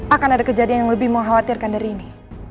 akan ada kejadian yang lebih mengkhawatirkan dari ini